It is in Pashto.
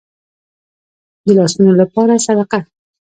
د لاسونو لپاره صدقه.